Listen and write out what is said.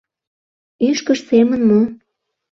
— Ӱшкыж семын мо?